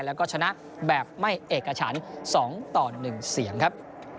แล้วก็ชนะแบบไม่เอกฉัน๒ต่อ๑เสียงครับ